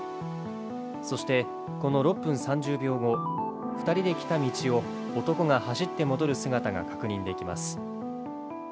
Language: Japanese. そしてこの６分３０秒後、２人で来た道を男が走って戻る姿が確認できます。